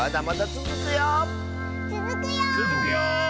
つづくよ！